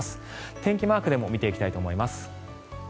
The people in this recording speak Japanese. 天気マークでも見ていきたいと思います。